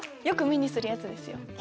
よく目にするやつですよ。